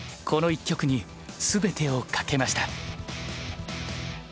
この１局に全てを懸けました。